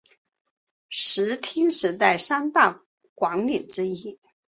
室町时代三大管领之一。